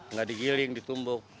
nggak digiling ditumbuk